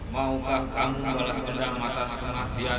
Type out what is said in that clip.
maukah kamu ambil sedikit mata sekalian